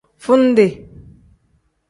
Fundi.